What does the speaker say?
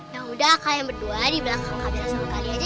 yaudah kalian berdua di belakang kameranya sama kali aja ya